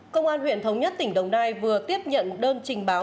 công an huyện thống nhất tỉnh đồng nai vừa tiếp nhận đơn trình báo